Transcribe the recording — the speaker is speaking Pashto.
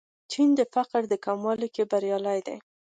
چین د فقر کمولو کې بریالی دی.